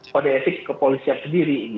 kode etik ke polisi yang sendiri